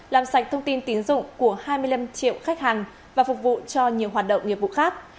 làm sạch thông tin tín dụng của hai mươi năm triệu khách hàng và phục vụ cho nhiều hoạt động nghiệp vụ khác